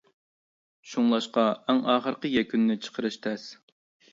شۇڭلاشقا ئەڭ ئاخىرقى يەكۈننى چىقىرىش تەس.